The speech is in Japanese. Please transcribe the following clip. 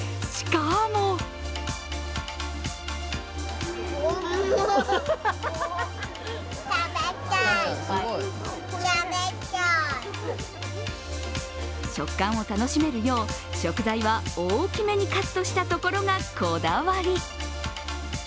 しかも食感を楽しめるよう、食材は大きなめにカットしたところがこだわり。